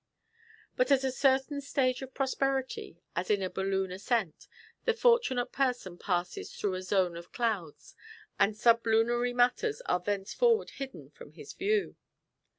But at a certain stage of prosperity, as in a balloon ascent, the fortunate person passes through a zone of clouds, and sublunary matters are thenceforward hidden from his view.